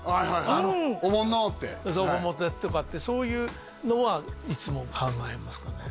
そう「お盆で」とかってそういうのはいつも考えますかね